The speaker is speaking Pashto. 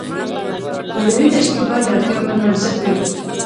د ادارې تشکیل باید د اړتیاوو پر بنسټ وي.